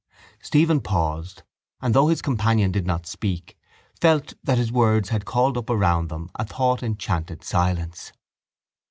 Stephen paused and, though his companion did not speak, felt that his words had called up around them a thought enchanted silence.